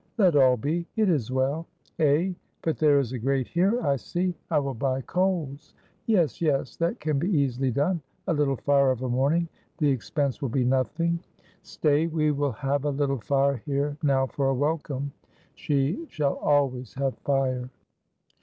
Let all be; it is well. Eh! but there is a grate here, I see. I will buy coals. Yes, yes that can be easily done; a little fire of a morning the expense will be nothing. Stay, we will have a little fire here now for a welcome. She shall always have fire."